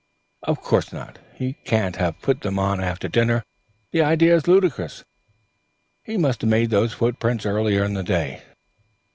"Of course not. He can't have put them on after dinner. The idea is ludicrous. He must have made those footmarks earlier in the day."